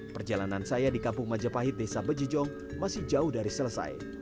perjalanan saya di kampung majapahit desa bejejong masih jauh dari selesai